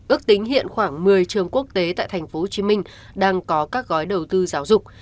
ước tính hiện khoảng một mươi trường quốc tế tại tp hcm đang có các gói đầu tư giáo dục